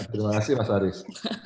terima kasih mas haris